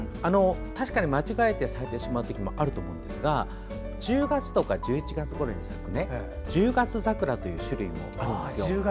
確かに間違えて咲いてしまうこともあると思いますが１０月から１１月ごろに咲くジュウガツザクラという種類もあるんです。